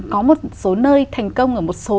có một số nơi thành công ở một số